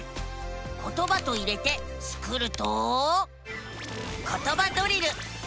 「ことば」と入れてスクると「ことばドリル」。